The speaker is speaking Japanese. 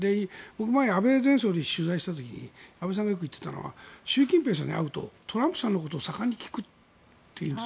前に安倍前総理に取材した時に安倍さんがよく言っていたのは習近平さんに会うとトランプさんのことを盛んに聞くというんです。